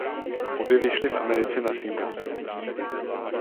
Obě vyšly v Americe na singlu.